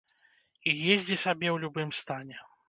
І ездзі сабе ў любым стане.